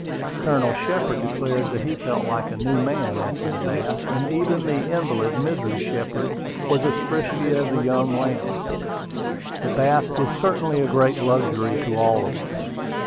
Colonel Shepard declared that he felt like a new man after the bath, and even the invalid Mrs. Shepard was as frisky as a young lamb. The bath was certainly a great luxury to all of us.